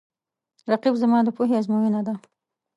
رقیب زما د پوهې آزموینه ده